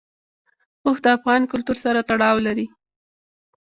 اوښ د افغان کلتور سره تړاو لري.